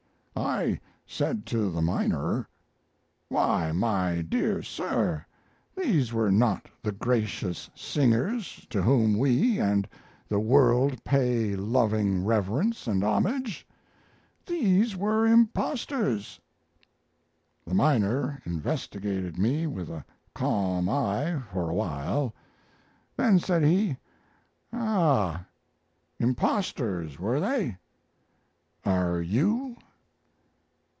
I said to the miner, "Why, my dear sir, these were not the gracious singers to whom we and the world pay loving reverence and homage; these were impostors." The miner investigated me with a calm eye for a while; then said he, "Ah! impostors, were they? Are you?"